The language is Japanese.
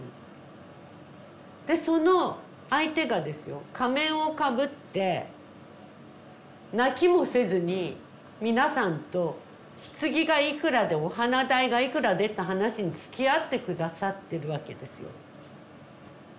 でその相手がですよ仮面をかぶって泣きもせずに皆さんとひつぎがいくらでお花代がいくらでって話につきあって下さってるわけですよ。